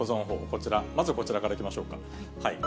こちら、まずこちらからいきましょうか。